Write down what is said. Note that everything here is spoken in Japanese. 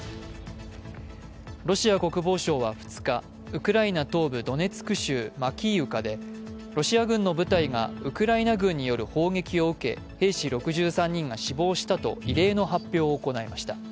ロシア国防省は２日ウクライナ東部ドネツク州マキーウカでロシア軍の部隊がウクライナ軍による砲撃を受け兵士６３人が死亡したと異例の発表を行いました。